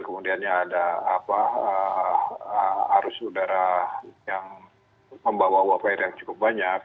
kemudiannya ada arus udara yang membawa uap air yang cukup banyak